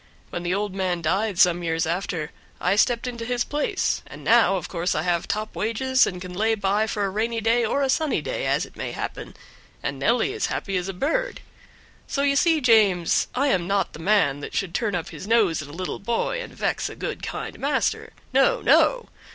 When the old man died some years after I stepped into his place, and now of course I have top wages, and can lay by for a rainy day or a sunny day, as it may happen, and Nelly is as happy as a bird. So you see, James, I am not the man that should turn up his nose at a little boy and vex a good, kind master. No, no!